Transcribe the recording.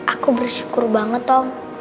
aku bersyukur banget om